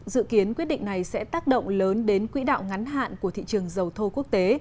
dự kiến quyết định này sẽ tác động lớn đến quỹ đạo ngắn hạn của thị trường dầu thô quốc tế